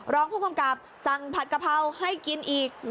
รองผู้กำกับสั่งผัดกะเพราให้กินอีก